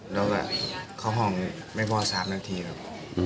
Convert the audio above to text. แล้วก็เข้าห้องไม่พอ๓นาทีครับ